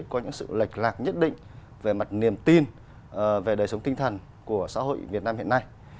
có những sự lệch lạc nhất định về mặt niềm tin về đời sống tinh thần của xã hội việt nam hiện nay